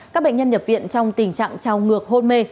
các bệnh nhân nhập viện trong tình trạng trao ngược hôn mê